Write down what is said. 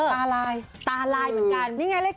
ตาลายเหมือนกันนี่ไงเลข๗